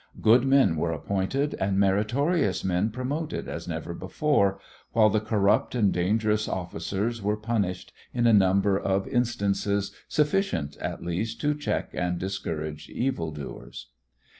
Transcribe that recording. Good men were appointed and meritorious men promoted as never before, while the corrupt and dangerous officers were punished in a number of instances sufficient, at least, to check and discourage evildoers.